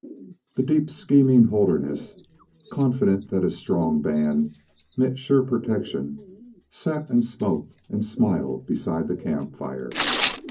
The deep scheming Holderness, confident that his strong band meant sure protection, sat and smoked and smiled beside the camp fire.